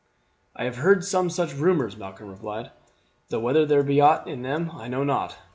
"I have heard some such rumours," Malcolm replied, "though whether there be aught in them I know not.